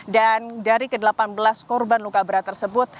dan dari ke delapan belas korban luka berat tersebut